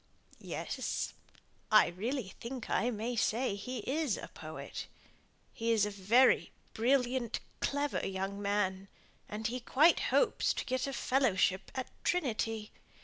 "Yes. I really think I may say he is a poet. He is a very brilliant, clever young man, and he quite hopes to get a fellowship at Trinity.